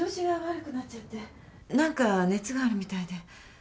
なんか熱があるみたいで。